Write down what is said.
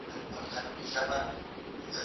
غازي امان الله خان د غیر رسمي عدالتونو مخه ونیوله.